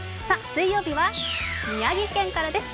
水曜日は宮城県からです。